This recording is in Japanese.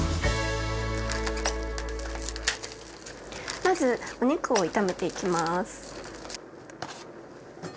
まずお肉を炒めていきます。